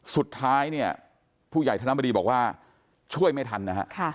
สุดท้ายเนี่ยผู้ใหญ่ธนบดีบอกว่าช่วยไม่ทันนะฮะ